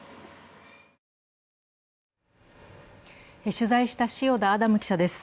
取材した塩田アダム記者です。